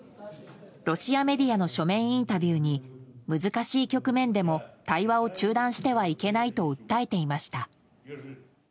ロシアメディアの書面インタビューに難しい局面でも対話を中断してはいけないと訴えていました。